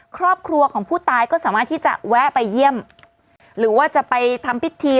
ครอบครัวของผู้ตายก็สามารถที่จะแวะไปเยี่ยมหรือว่าจะไปทำพิธี